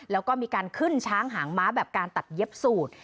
แล้วก็มีการขึ้นช้างหางม้าแบบการตัดเย็บสูตร